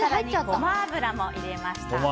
ゴマ油も入れました。